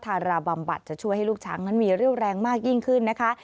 ทาราบำบัดจะช่วยให้ลูกช้างนั้นมีเรี่ยวแรงมากยิ่งขึ้นนะคะ